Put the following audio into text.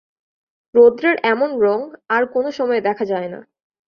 রৌদ্রের এমন রঙ আর কোনো সময়ে দেখা যায় না।